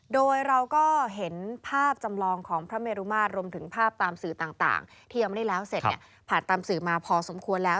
โดยเราก็เห็นภาพจำลองของพระเมรุมาตรรวมถึงภาพตามสื่อต่างที่ยังไม่ได้แล้วเสร็จเนี่ยผ่านตามสื่อมาพอสมควรแล้ว